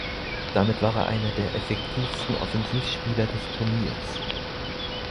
Damit war er einer der effektivsten Offensivspieler des Turniers.